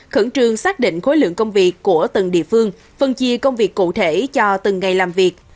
khẩn trương xác định khối lượng công việc của từng địa phương phân chia công việc cụ thể cho từng ngày làm việc